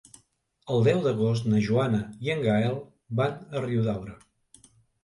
El deu d'agost na Joana i en Gaël van a Riudaura.